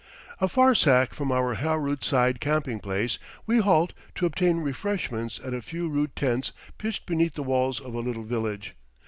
A farsakh from our Harood side camping place, we halt to obtain refreshments at a few rude tents pitched beneath the walls of a little village.